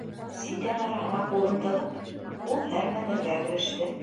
Ситән араһына ҡулын тығып, ул һәрмәнергә кереште.